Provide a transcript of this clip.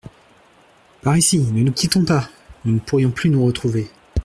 Par ici !… ne nous quittons pas ! nous ne pourrions plus nous retrouver…